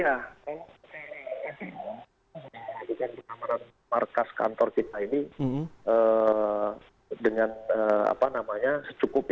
ya tkp polres ini dengan keamanan markas kantor kita ini dengan secukupnya